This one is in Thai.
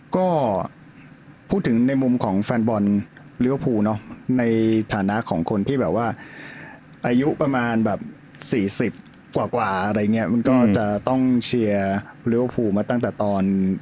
ก็พูดถึงในมุมของแฟนบอลลิเวอร์พูลเนอะในฐานะของคนที่แบบว่าอายุประมาณแบบ๔๐กว่าอะไรอย่างนี้มันก็จะต้องเชียร์ลิเวอร์พูลมาตั้งแต่ตอน